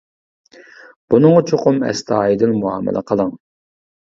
بۇنىڭغا چوقۇم ئەستايىدىل مۇئامىلە قىلىڭ.